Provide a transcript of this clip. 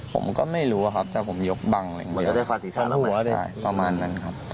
ประมาณนั้นครับ